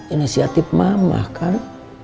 inisiatif mama kan